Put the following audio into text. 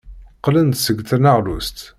Qqlen-d seg tneɣlust.